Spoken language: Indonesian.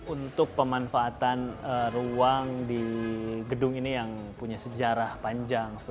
untuk pemanfaatan ruang di gedung ini yang punya sejarah panjang